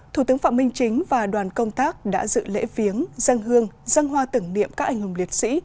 thủ tướng phạm minh chính và đoàn công tác đã dự lễ viếng dân hương dân hoa tưởng niệm các anh hùng liệt sĩ